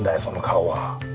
その顔は。